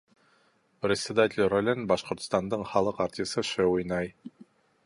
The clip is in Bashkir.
Председатель ролен Башҡортостандың халыҡ артисы Ш. уйнай